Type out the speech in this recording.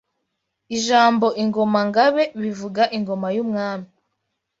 Ijambo Ingoma–Ngabe bivuga “Ingoma y’ubwami “